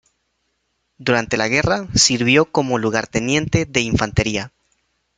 Durante la guerra, sirvió como lugarteniente de infantería.